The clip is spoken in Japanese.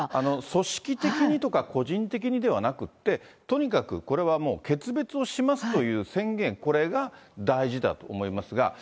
組織的にとか、個人的にではなくって、とにかくこれはもう、決別をしますという宣言、これが大事だと思いますが。